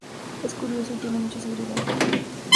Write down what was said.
Es curioso y tiene mucha seguridad.